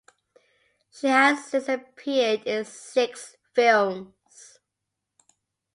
She has since appeared in six films.